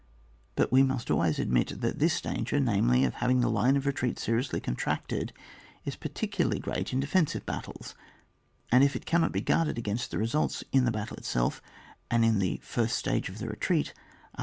But we must always admit that this danger, namely, of having the line of retreat seriously contracted, is particularly great in defensive battles, and if it cannot be guarded against, the results in the battle itself, and in the first stage of the retreat are.